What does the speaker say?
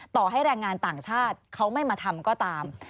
ต่อให้แรงงานต่างชาติเขาไม่มาทำก็ตาม